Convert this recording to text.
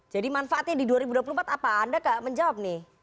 jadi manfaatnya di dua ribu dua puluh empat apa anda menjawab nih